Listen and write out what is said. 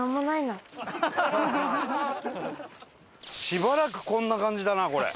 しばらくこんな感じだなこれ。